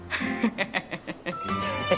ハハハハ！